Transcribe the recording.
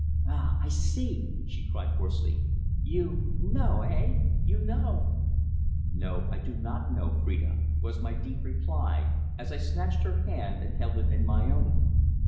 "Ah! I see!" she cried hoarsely. "You know eh? You know!" "No. I do not know, Phrida," was my deep reply, as I snatched her hand and held it in my own.